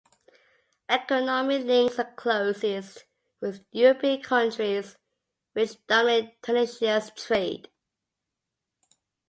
Economic links are closest with European countries, which dominate Tunisia's trade.